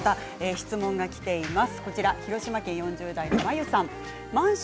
質問がきています。